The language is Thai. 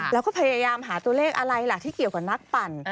แล้วก็พยายามหาตัวเลขอะไรล่ะที่เกี่ยวกับนักปั่น